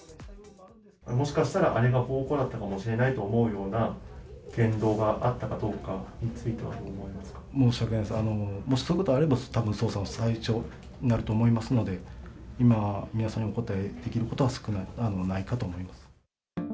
もしかしたらあれが暴行だったかもしれないと思うような言動があったかどうかについては、申し訳ないです、もしそういうことがあれば、たぶん捜査の対象になると思いますので、今は皆さんにお答えできることは少ない、ないかと思います。